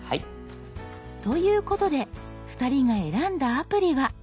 ということで２人が選んだアプリは？